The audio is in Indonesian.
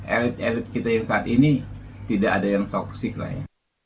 elit elit kita yang saat ini tidak ada yang toxic lah ya